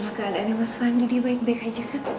mbak gimana keadaan mas fandi dia baik baik aja kan